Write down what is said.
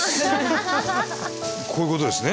こういうことですね？